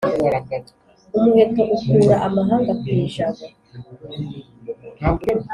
umuheto ukura amahanga ku ijabo,